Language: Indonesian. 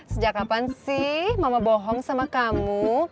sejak kapan sih mama bohong sama kamu